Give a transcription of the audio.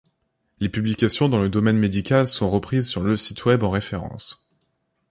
Les publications dans le domaine médical sont reprises sur le site Web en référence.